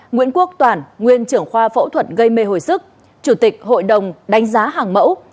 nguyễn quốc toản nguyên trưởng khoa phẫu thuật gây mê hồi sức chủ tịch hội đồng đánh giá hàng mẫu